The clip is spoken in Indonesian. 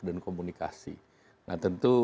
dan komunikasi nah tentu